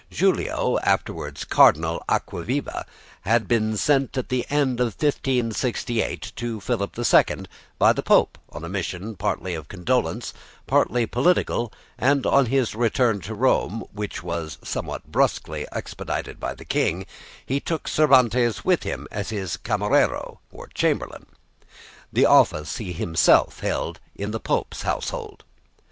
Giulio, afterwards Cardinal, Acquaviva had been sent at the end of 1568 to Philip II by the Pope on a mission, partly of condolence, partly political, and on his return to Rome, which was somewhat brusquely expedited by the King, he took Cervantes with him as his camarero (chamberlain), the office he himself held in the Pope's household.